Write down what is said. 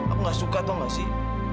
aku gak suka tau gak sih